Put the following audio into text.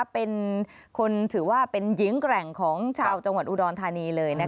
ถือว่าเป็นหญิงแกร่งของชาวจังหวัดอุดรธานีเลย